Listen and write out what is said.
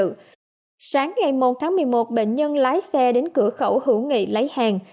trước đó rạng sáng ngày một tháng một mươi một bệnh nhân lái xe đến cửa khẩu hữu nghị lấy hàng